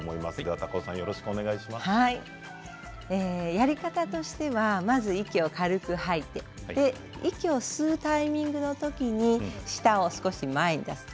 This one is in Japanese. やり方としてはまず息を軽く吐いて息を吸うタイミングの時に舌を少し前に出す。